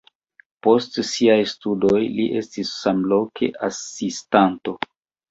Post siaj studoj li estis samloke asistanto.